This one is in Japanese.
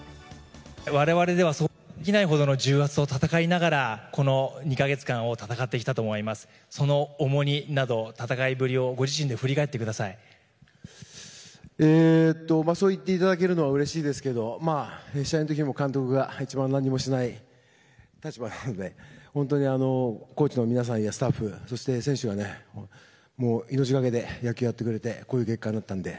我々ではできないほどの重圧と戦いながらこの２か月間をその重荷など戦いぶりをそう言っていただけるのはうれしいですけど試合の時監督が一番何もしない立場なので本当にコーチの皆さんやスタッフそして選手が命がけで野球をやってくれてこういう結果になったので。